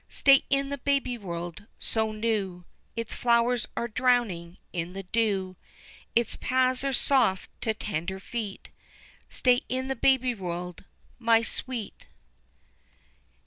Stay in the baby world so new, Its flowers are drowning in the dew, Its paths are soft to tender feet, Stay in the baby world my sweet.